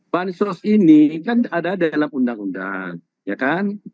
bansos ini kan ada dalam undang undang ya kan